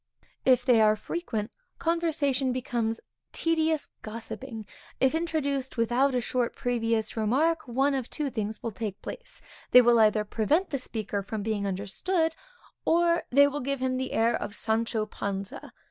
If they are frequent, conversation becomes a tedious gossipping; if introduced without a short previous remark, one of two things will take place, they will either prevent the speaker from being understood, or they will give him the air of Sancho Panza.